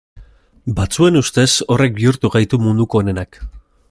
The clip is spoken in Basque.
Batzuen ustez horrek bihurtu gaitu munduko onenak.